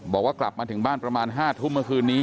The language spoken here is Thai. บอกว่ากลับมาถึงบ้านประมาณ๕ทุ่มเมื่อคืนนี้